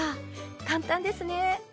簡単ですね。